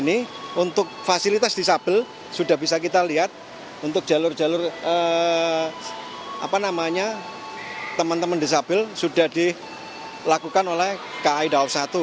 disabilitas disabil sudah bisa kita lihat untuk jalur jalur teman teman disabil sudah dilakukan oleh kai dawab satu